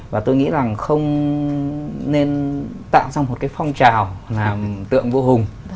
và tôi nghĩ rằng không nên tạo ra một cái phong trào làm tượng vua hùng